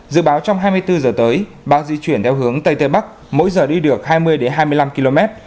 dự báo trong hai mươi bốn giờ tới bão di chuyển theo hướng tây tây bắc mỗi giờ đi được hai mươi hai mươi năm km